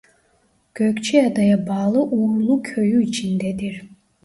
Gökçeada'ya bağlı Uğurlu Köyü içindedir.